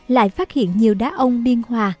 lại phát hiện nhiều đá ông biên hòa